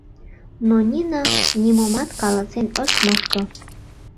Но Нина нимомат каласен ыш мошто.